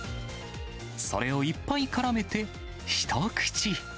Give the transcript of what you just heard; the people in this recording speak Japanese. それをいっぱいからめて、一口。